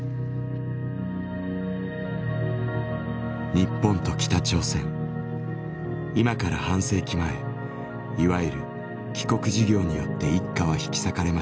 日本と北朝鮮今から半世紀前いわゆる「帰国事業」によって一家は引き裂かれました。